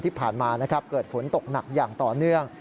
ที่ผ่านมาเกิดผลตกหนักอย่างต่อเนื่อง